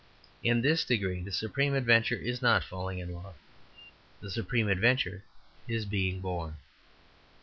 In this degree the supreme adventure is not falling in love. The supreme adventure is being born.